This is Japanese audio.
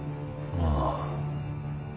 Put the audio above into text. ああ。